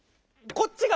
こっちは？